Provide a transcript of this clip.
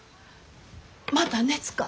また熱か？